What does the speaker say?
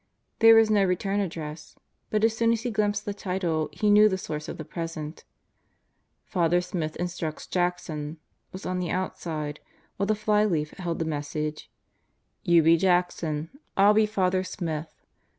There was no return address, but as soon as he glimpsed the title he knew the source of the present, "Father Smith Instructs Jackson" was on the outside, while the fly leaf held the message: "You be Jackson; I'll be Father Smith.